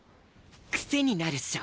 癖になるっしょ。